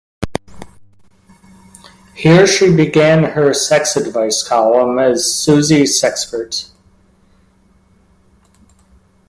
Here she began her sex advice column as Susie Sexpert.